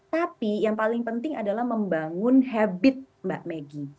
tapi yang paling penting adalah membangun habit mbak meggy